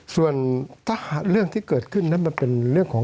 สวัสดีครับทุกคน